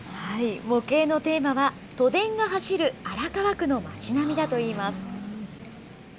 模型のテーマは、都電が走る荒川区の街並みだといいます。